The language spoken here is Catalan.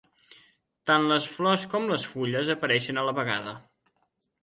Tant les flors com les fulles apareixen a la vegada.